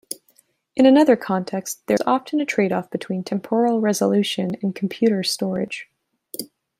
In another context, there is often a tradeoff between temporal resolution and computer storage.